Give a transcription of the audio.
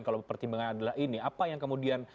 kalau pertimbangan adalah ini apa yang kemudian